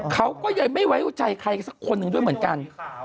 เขาก็ยังไม่ไว้ใจใครสักคนหนึ่งด้วยเหมือนกัน